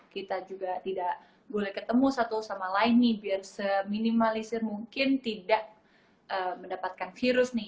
kita juga tidak boleh ketemu satu sama lain nih biar seminimalisir mungkin tidak mendapatkan virus nih